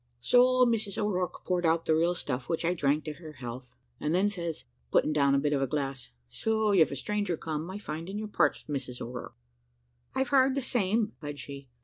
"So Mrs O'Rourke poured out the real stuff, which I drank to her health; and then says I, putting down the bit of a glass, `So you've a stranger come, I find, in your parts, Mrs O'Rourke.' "`I've heard the same,' replied she.